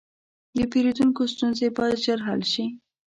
د پیرودونکو ستونزې باید ژر حل شي.